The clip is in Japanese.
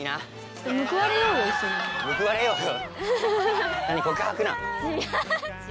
「報われようよ」？